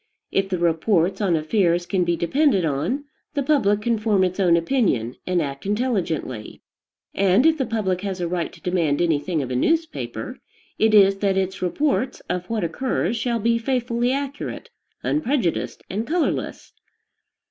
If the reports on affairs can be depended on, the public can form its own opinion, and act intelligently. And; if the public has a right to demand anything of a newspaper, it is that its reports of what occurs shall be faithfully accurate, unprejudiced, and colorless.